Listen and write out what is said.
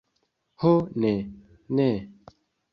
Ho ne, ne.